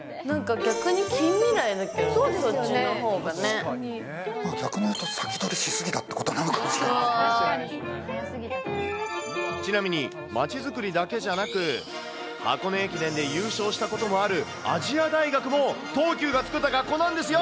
逆に言うと先取りし過ぎたとちなみに街づくりだけじゃなく、箱根駅伝で優勝したこともある亜細亜大学も、東急が作った学校なんですよ。